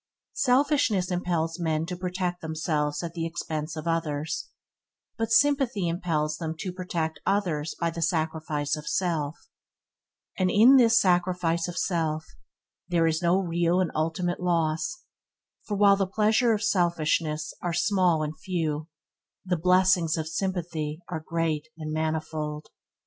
Selfishness impels men to protect themselves at the expense of others; but sympathy impels them to protect others by the sacrifice of self; and in this sacrifice of self there is no real and ultimate loss, for while the pleasure of selfishness are small and few, the blessings of sympathy are great and manifold.